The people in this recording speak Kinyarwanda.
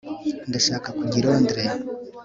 ndashaka kujya i londres